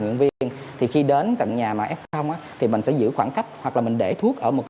nguyện viên thì khi đến tận nhà mà f thì mình sẽ giữ khoảng cách hoặc là mình để thuốc ở một